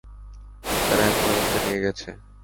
তারা অ্যাম্বুলেন্সটা নিয়ে গেছে।